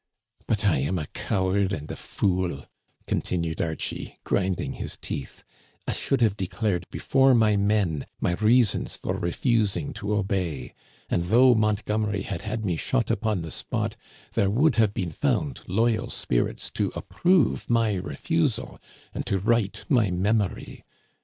" But I am a coward and a fool," continued Archie, grinding his teeth, I should have declared before my men my reasons for refusing to obey, and, though Mont gomery had had me shot upon the spot, there would have been found loyal spirits to approve my refusal and to right my memory.